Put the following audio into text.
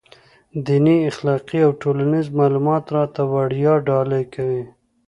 دیني، اخلاقي او ټولنیز معلومات راته وړيا ډالۍ کوي.